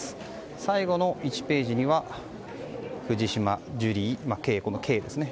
最後の１ページには藤島ジュリー景子のＫですね。